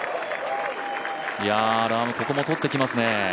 ラーム、ここもとってきますね。